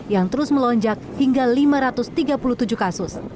yang terus melonjak hingga lima ratus tiga puluh tujuh kasus